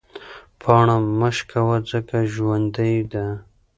پاڼه مه شکوه ځکه ژوندۍ ده.